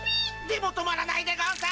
でも止まらないでゴンス。